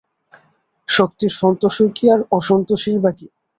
শক্তির সন্তোষই কী আর অসন্তোষই বা কী?